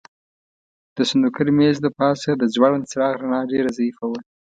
د سنوکر مېز د پاسه د ځوړند څراغ رڼا ډېره ضعیفه وه.